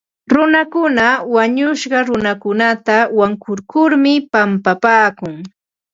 Runakuna wañushqa runakunata wankurkurmi pampapaakun.